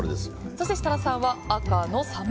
そして設楽さんは赤のサメ。